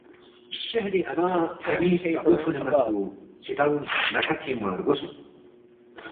شہری اَنا تھن٘ی ستاغو تھونے منپو کِھدانگ لٹھا تھِنگما رگوسُوک